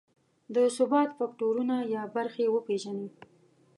د ثبات فکټورونه یا برخې وپېژني.